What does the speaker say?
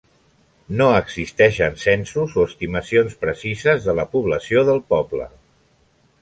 No existeixen censos o estimacions precises de la població del poble.